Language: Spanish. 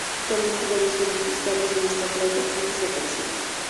Actualmente ya no se ven cristales en esta playa; han desaparecido.